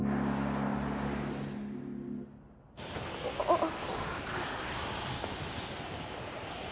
あっ。